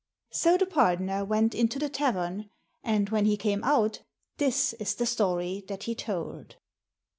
So the pardoner went into the tavern ; and when he came out, this is the story that he told.